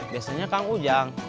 biasanya kang ujang